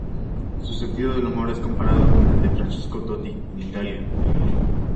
Su sentido del humor es comparado con el de Francesco Totti en Italia.